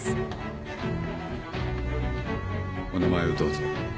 お名前をどうぞ。